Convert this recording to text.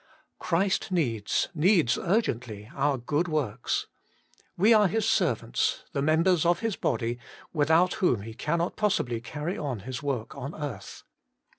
Christ needs, needs urgently, our good works. We are His servants, the members of His body, without whom He cannot possibly carry on His work on earth.